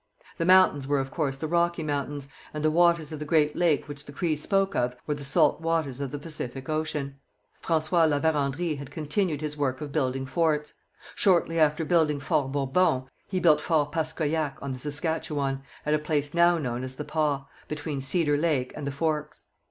The mountains were of course the Rocky Mountains, and the waters of the great lake which the Crees spoke of were the salt waters of the Pacific ocean. François La Vérendrye had continued his work of building forts. Shortly after building Fort Bourbon, he built Fort Paskoyac, on the Saskatchewan, at a place now known as the Pas, between Cedar Lake and the Forks.